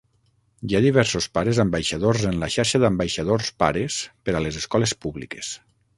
Hi ha diversos pares ambaixadors en la xarxa d'ambaixadors Pares per a les Escoles Públiques.